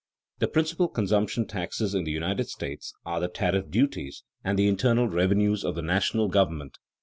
The principal consumption taxes in the United States are the tariff duties and the internal revenues of the national government.